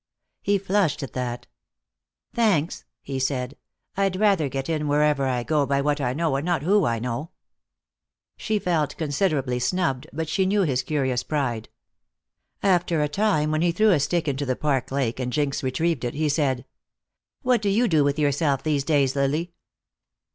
He flushed at that. "Thanks," he said. "I'd rather get in, wherever I go, by what I know, and not who I know." She felt considerably snubbed, but she knew his curious pride. After a time, while he threw a stick into the park lake and Jinx retrieved it, he said: "What do you do with yourself these days, Lily?"